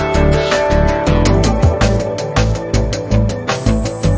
ไว้ไหนเราก็ไว้กัน